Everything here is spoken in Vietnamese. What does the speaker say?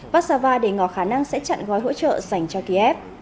vá sa va đề ngọt khả năng sẽ chặn gói hỗ trợ dành cho kiev